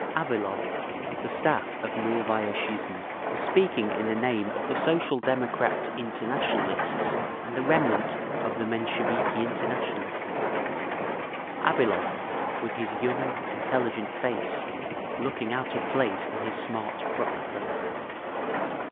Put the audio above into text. Avilov of the staff of Novaya Zhizn was speaking in the name of the Social Democrat Internationalists and the remnant of the Mensheviki Internationalists; Avilov, with his young, intelligent face, looking out of place in his smart frock coat.